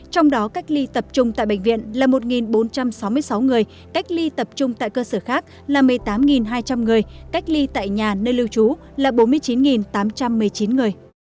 trong đó cách ly tập trung tại bệnh viện là một bốn trăm sáu mươi sáu người cách ly tập trung tại cơ sở khác là một mươi tám hai trăm linh người cách ly tại nhà nơi lưu trú là bốn mươi chín tám trăm một mươi chín người